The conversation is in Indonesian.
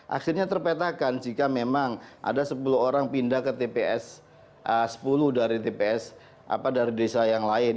akhirnya terpetakan jika memang ada sepuluh orang pindah ke tps sepuluh dari tps dari desa yang lain